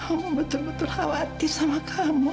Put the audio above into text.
kamu betul betul khawatir sama kamu